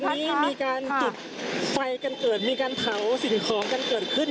วันนี้มีการจุดไฟกันเกิดมีการเผาสิ่งของกันเกิดขึ้น